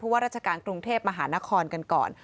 ว่าราชการกรุงเทพมหานครกันก่อน